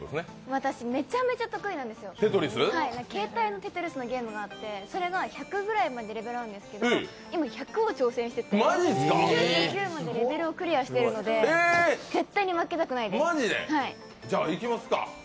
私、めちゃめちゃ得意なんですよ、携帯の「テトリス」のゲームがあってそれの１００ぐらいまでレベルあるんですけど、今、１００を挑戦してて９９までクリアしてるのでじゃ、いきますか。